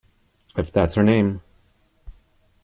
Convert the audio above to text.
If that's her name.